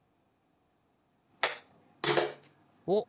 おっ！